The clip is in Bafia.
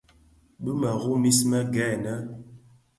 Bi mëru mis më gènè.